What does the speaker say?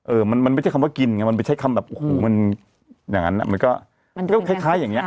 เออมันไม่ใช่คำว่ากินมันไม่ใช่คำแบบโอ้โหมันอย่างนั้นมันก็คล้ายอย่างเงี้ย